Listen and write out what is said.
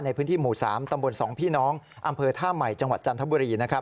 ในพื้นที่หมู่๓ตำบล๒พี่น้องอำเภอท่าใหม่จังหวัดจันทบุรี